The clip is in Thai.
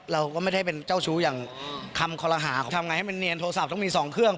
เราก็ไม่ได้เป็นเจ้าชู้อย่างคำคอลหาทำไงให้มันเนียนโทรศัพท์ต้องมีสองเครื่อง